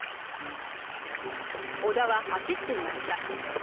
尾田は走っていました。